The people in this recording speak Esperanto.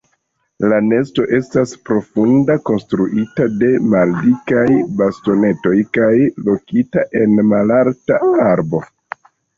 La nesto estas profunda, konstruita de maldikaj bastonetoj kaj lokita en malalta arbo.